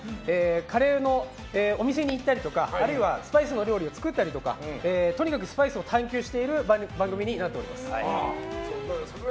カレーのお店に行ったりとかスパイスの料理を作ったりとかとにかくスパイスを探求している番組になっております。